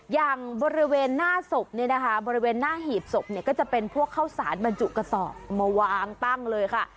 อย่างบริเวณหน้าศพเนี่ยนะคะบริเวณหน้าหีบศพเนี่ยก็จะเป็นพวกข้าวสารบรรจุกระสอบมาวางตั้งเลยค่ะ